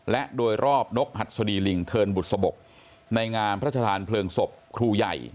และโดยรอบนกหัดสดีลิงเทินบุษบกในงานพระชาธานเพลิงศพครูใหญ่